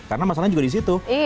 karena masalahnya juga di situ